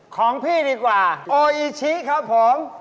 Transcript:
ของพี่ดีกว่าโออิชิครับผม